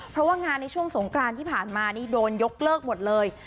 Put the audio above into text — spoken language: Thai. เพราะว่างานในช่วงสงกรานที่ผ่านมานี่โดนยกเลิกหมดเลย